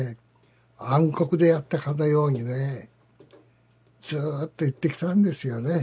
暗黒であったかのようにねずっと言ってきたんですよね。